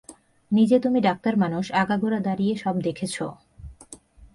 নিজে তুমি ডাক্তার মানুষ আগাগোড়া দাড়িয়ে সব দেখেছ।